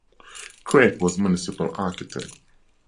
Craik was Municipal Architect.